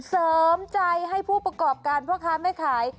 เสริมใจให้ผู้ประกอบการพ่อค้าแม่ขาย